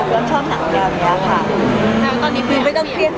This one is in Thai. อยู่พวกเขาเซลล์แบบนี้ค่ะ